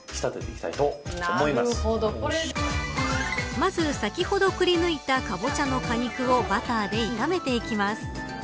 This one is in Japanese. まず、先ほどくり抜いたカボチャの果肉をバターで炒めていきます。